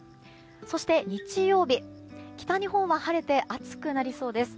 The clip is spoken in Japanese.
そして日曜日、北日本は晴れて暑くなりそうです。